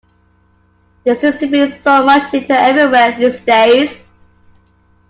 There seems to be so much litter everywhere these days